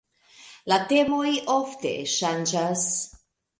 La temoj ofte ŝanĝas.